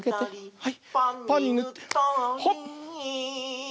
はい。